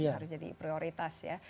harus jadi prioritas ya